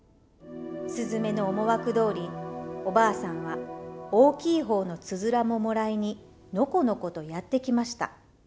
すずめの思惑どおりおばあさんは大きい方のつづらももらいにのこのことやって来ました。